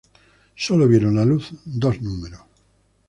Sólo vieron la luz dos números.